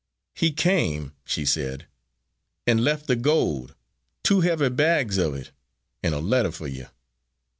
"He came," she said, "and left the gold two heavy bags of it, and a letter for you.